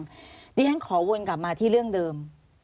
ขีกออกไปคนละทางนี่แห้งขอวนกลับมาที่เรื่องเดิม